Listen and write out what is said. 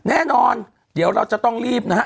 แน่นอนเดี๋ยวเราจะต้องรีบนะฮะ